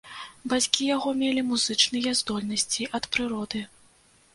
Бацькі яго мелі музычныя здольнасці ад прыроды.